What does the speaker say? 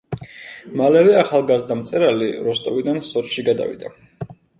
მალევე ახალგაზრდა მწერალი როსტოვიდან სოჭში გადავიდა.